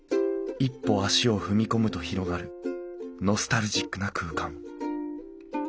一歩足を踏み込むと広がるノスタルジックな空間